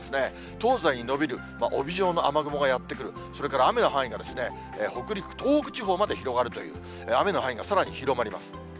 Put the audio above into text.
東西に延びる帯状の雨雲がやって来る、それから雨の範囲が北陸、東北地方まで広がるという、雨の範囲がさらに広がります。